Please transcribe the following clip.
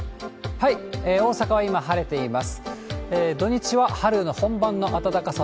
大阪は今、晴れています。